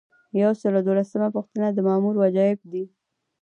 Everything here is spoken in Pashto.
یو سل او دولسمه پوښتنه د مامور وجایب دي.